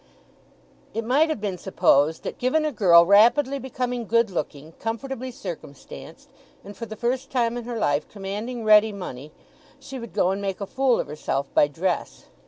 It might have been supposed that, given a girl rapidly becoming good looking, comfortably circumstanced, and for the first time in her life commanding ready money, she would go and make a fool of herself by dress.